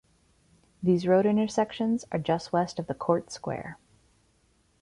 These road intersections are just west of the court square.